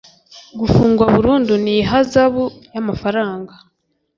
Gufungwa burundu n ihazabu y amafaranga